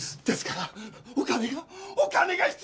ですからお金が。